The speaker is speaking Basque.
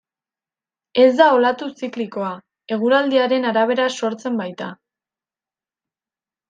Ez da olatu ziklikoa, eguraldiaren arabera sortzen baita.